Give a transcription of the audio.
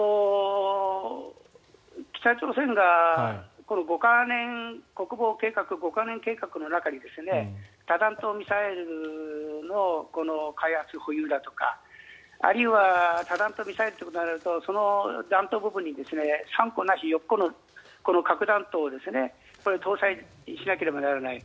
北朝鮮が国防五カ年計画の中で多弾頭ミサイルの開発・保有だとかあるいは多弾頭ミサイルということになると弾頭部分に３個ないし４個の核弾頭を搭載しなければならない。